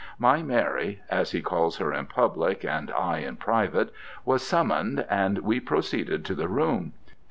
My Mary (as he calls her in public, and I in private) was summoned, and we proceeded to the room.